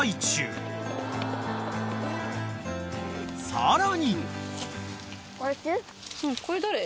［さらに］